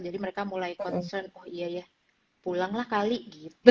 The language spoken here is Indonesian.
jadi mereka mulai concern oh iya ya pulanglah kali gitu